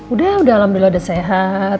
udah udah alhamdulillah udah sehat